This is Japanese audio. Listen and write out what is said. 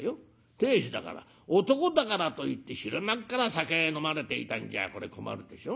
亭主だから男だからといって昼間っから酒飲まれていたんじゃこれ困るでしょ。